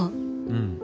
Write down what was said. うん。